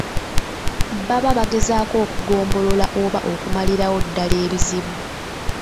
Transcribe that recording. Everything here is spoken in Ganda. Baba bagezaako okugombolola oba okumalirawo ddala ebizibu.